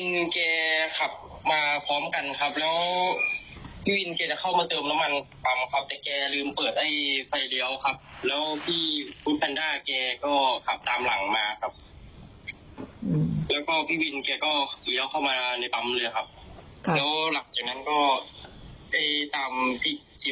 แต่แกก็มาแรงครับพี่แพนด้านะครับ